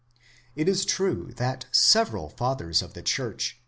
It is true that several Fathers of the Church